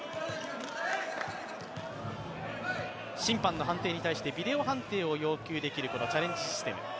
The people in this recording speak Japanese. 審判の判定に対してビデオ判定を要求できるチャレンジシステム。